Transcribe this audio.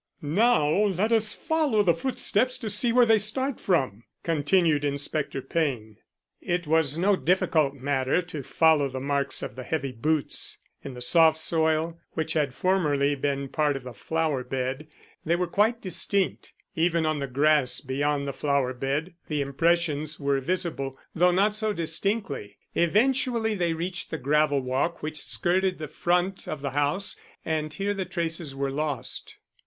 "Now let us follow the footsteps to see where they start from," continued Inspector Payne. It was no difficult matter to follow the marks of the heavy boots. In the soft soil, which had formerly been part of a flower bed, they were quite distinct. Even on the grass beyond the flower bed the impressions were visible, though not so distinctly. Eventually they reached the gravel walk which skirted the front of the house, and here the traces were lost.